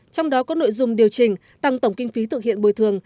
trong đó có nội dung điều chỉnh tăng tổng kinh phí thực hiện bồi thường